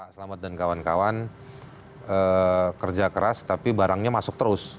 pak selamat dan kawan kawan kerja keras tapi barangnya masuk terus